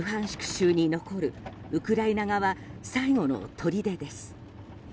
州に残るウクライナ側最後のとりでです。